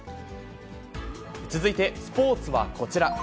続いてスポーツはこちら。